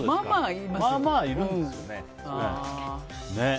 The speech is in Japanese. まあまあいるんですよね。